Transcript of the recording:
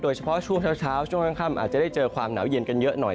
เฉพาะช่วงเช้าช่วงค่ำอาจจะได้เจอความหนาวเย็นกันเยอะหน่อย